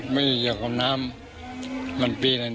ไม่อยู่เกี่ยวกับน้ำน้ำมีแค่เยอะ